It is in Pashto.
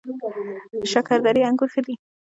شکردرې انګور ښه دي؟